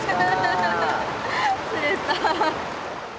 釣れた。